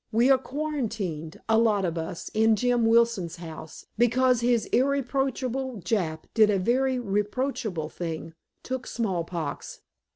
We are quarantined, a lot of us, in Jim Wilson's house, because his irreproachable Jap did a very reproachable thing took smallpox.